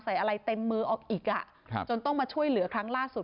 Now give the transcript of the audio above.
ใส่อะไรเต็มมือออกอีกอ่ะครับจนต้องมาช่วยเหลือครั้งล่าสุด